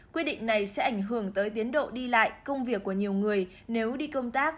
quyết định này sẽ ảnh hưởng tới tiến độ đi lại công việc của nhiều người nếu đi công tác